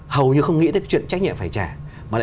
hầu như không nghĩ tới chuyện trách nhiệm phải trả